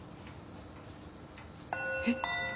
えっ！